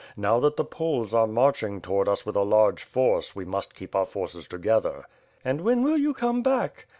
Now that the Poles are marching toward us with a large force we must keep our forces together." "And when will you come back?"